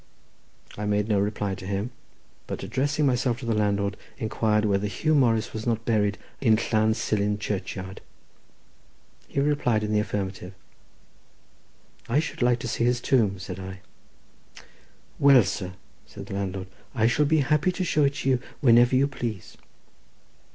I made no reply to him, but addressing myself to the landlord, inquired whether Huw Morris was not buried in Llan Silin churchyard. He replied in the affirmative. "I should like to see his tomb," said I. "Well, sir," said the landlord, "I shall be happy to show it to you whenever you please."